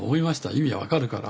意味は分かるから。